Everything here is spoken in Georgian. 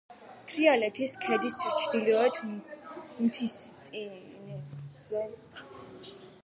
თრიალეთის ქედის ჩრდილოეთ მთისწინეთზე.